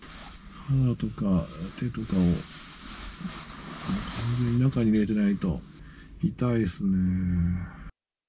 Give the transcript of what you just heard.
鼻とか手とかを完全に中に入れてないと、痛いですね。